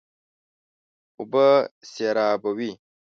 اوبه سېرابوي.